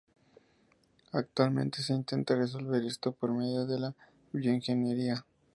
Actualmente se intenta resolver esto por medio de la bioingeniería.